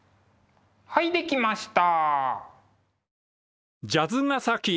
はいできました！